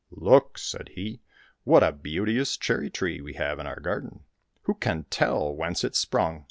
" Look !" said he, " what a beauteous cherry tree we have in our garden ! Who can tell whence it sprung